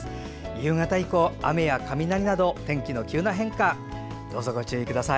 夕方以降、雨や雷など天気の急な変化にどうぞご注意ください。